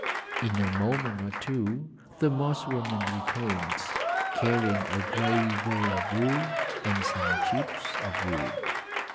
In a moment or two the Moss woman returned, carrying a grey ball of wool and some chips of wood.